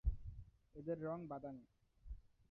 এদের রং বাদামি।